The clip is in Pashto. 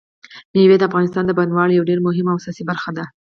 مېوې د افغانستان د بڼوالۍ یوه ډېره مهمه او اساسي برخه ده.